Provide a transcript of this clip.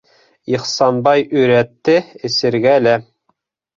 Ихсанбай өйрәтте эсергә лә!